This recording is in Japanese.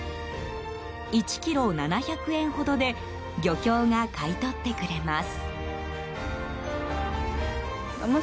１ｋｇ、７００円ほどで漁協が買い取ってくれます。